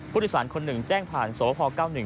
ผู้โดยสารคนหนึ่งแจ้งผ่านสวพ๙๑